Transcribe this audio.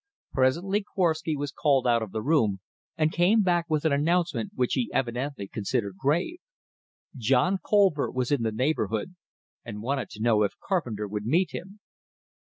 Presently Korwsky was called out of the room, and came back with an announcement which he evidently considered grave. John Colver was in the neighborhood, and wanted to know if Carpenter would meet him.